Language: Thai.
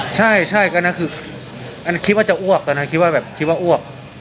ใช่ใช่ก็นั่นคืออันคิดว่าจะอ้วกตอนนั้นคิดว่าแบบคิดว่าอ้วก